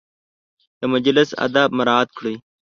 د مجلس اداب مراعت کړئ